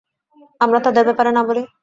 আমরা তাদের ব্যাপারে না বলি?